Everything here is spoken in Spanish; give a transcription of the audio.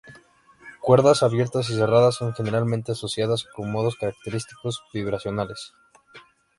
Cuerdas abiertas y cerradas son generalmente asociadas con modos característicos vibracionales.